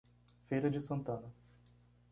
Feira de Santana